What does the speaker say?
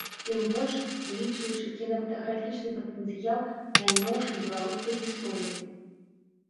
Тым больш, улічваючы кінематаграфічны патэнцыял найноўшай беларускай гісторыі.